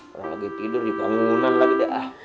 orang lagi tidur di bangunan lagi dah